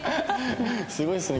すごいっすね